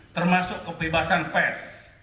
termasuk kebebasan pers